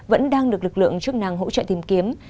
vẫn đang được lực lượng chức năng hỗ trợ tìm kiếm